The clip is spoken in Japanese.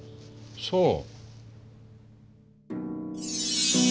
そう。